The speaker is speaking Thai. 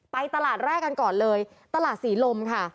ตลาดแรกกันก่อนเลยตลาดศรีลมค่ะ